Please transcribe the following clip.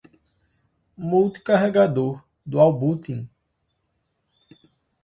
multi-carregador, dual booting